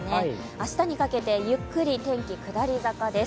明日にかけてゆっくり天気、下り坂です。